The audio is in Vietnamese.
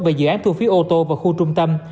về dự án thu phí ô tô vào khu trung tâm